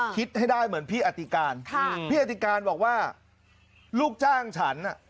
คิดให้ได้เหมือนพี่อติการค่ะพี่อติการบอกว่าลูกจ้างฉันน่ะ